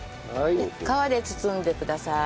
で皮で包んでください。